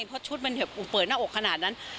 เพราะชุดมันเปิดหน้าอกขนาดนั้น